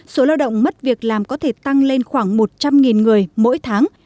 số lao động mất việc làm có thể tăng lên khoảng một trăm linh người mỗi tháng